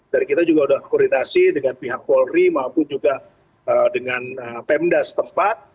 dan kita juga sudah koordinasi dengan pihak polri maupun juga dengan pemda setempat